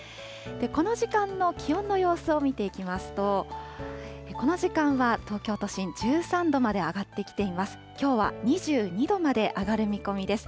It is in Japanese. この時間の気温の様子を見ていきますと、この時間は東京都心１３度まで上がってきています。